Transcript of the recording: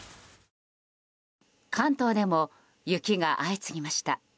関東でも雪が相次ぎました。